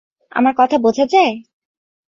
আমার কথা বুঝা যায়?